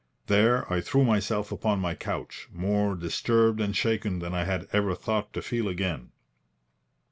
There I threw myself upon my couch, more disturbed and shaken than I had ever thought to feel again.